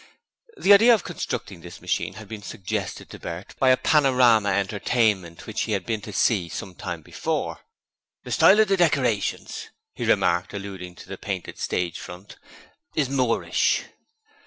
The idea of constructing this machine had been suggested to Bert by a panorama entertainment he had been to see some time before. 'The Style of the decorations,' he remarked, alluding to the painted stage front, 'is Moorish.'